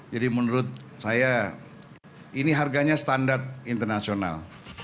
jadi menurut saya ini harganya standar internasional